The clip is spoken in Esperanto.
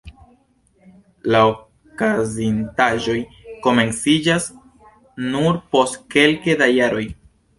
La okazintaĵoj komenciĝas nur post kelke da jaroj.